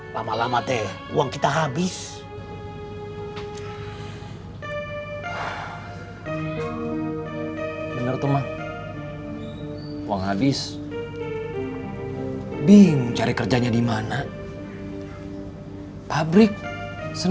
lama lama teh uang kita habis